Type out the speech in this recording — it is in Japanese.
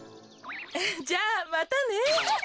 じゃあまたね。